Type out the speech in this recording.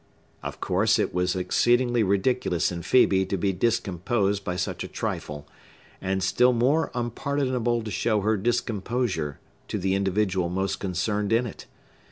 Of course, it was exceedingly ridiculous in Phœbe to be discomposed by such a trifle, and still more unpardonable to show her discomposure to the individual most concerned in it.